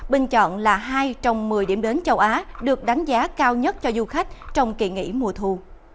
bình chọn là hai trong một mươi điểm đến châu á được đánh giá cao nhất cho du khách trong kỳ nghỉ mùa thu